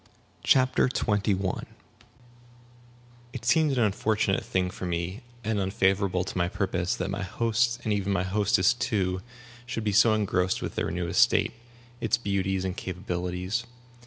CHAPTER XXI LISTLESS It seemed an unfortunate thing for me, and unfavorable to my purpose, that my host, and even my hostess too, should be so engrossed with their new estate, its beauties and capabilities.